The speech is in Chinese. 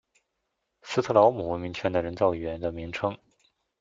斯特劳姆文明圈的人造语言的名称。